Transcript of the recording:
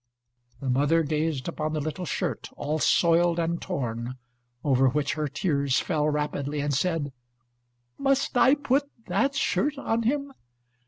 The mother gazed upon the little shirt, all soiled and torn, over which her tears fell rapidly, and said, "Must I put that shirt on him?"